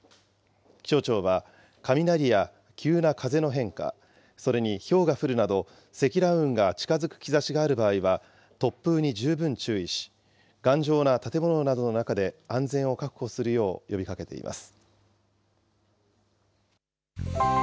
気象庁は、雷や急な風の変化、それにひょうが降るなど、積乱雲が近づく兆しがある場合は、突風に十分注意し、頑丈な建物などの中で安全を確保するよう呼びかけています。